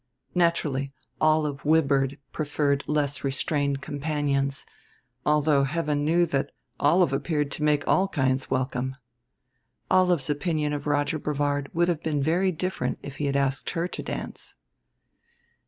Naturally Olive Wibird preferred less restrained companions, although Heaven knew that Olive appeared to make all kinds welcome. Olive's opinion of Roger Brevard would have been very different if he had asked her to dance.